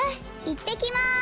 いってきます！